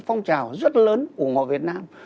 phong trào rất lớn ủng hộ việt nam